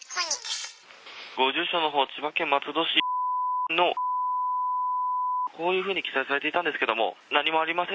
ご住所のほう、千葉県松戸市×××の×××、こういうふうに記載されていたんですけれども、何もありません